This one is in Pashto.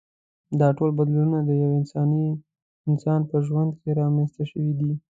دا ټول بدلونونه د یوه انسان په ژوند کې رامنځته شوي دي.